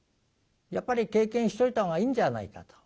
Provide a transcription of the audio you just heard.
やっぱり経験しておいた方がいいんじゃないかと。